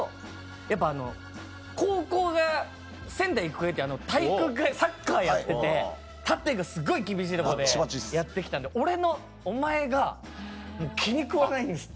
やっぱ高校が仙台育英って体育会サッカーやってて縦がすごい厳しいところでやって来たんで俺の「お前」が気に食わないんですって。